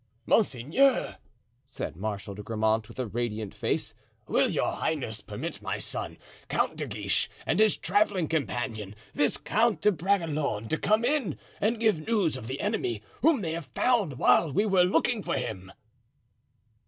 "Monseigneur," said Marshal de Grammont, with a radiant face, "will your highness permit my son, Count de Guiche, and his traveling companion, Viscount de Bragelonne, to come in and give news of the enemy, whom they have found while we were looking for him?"